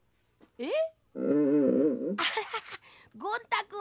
えっ？